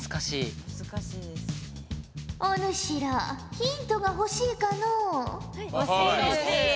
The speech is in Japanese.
お主らヒントが欲しいかのう？え？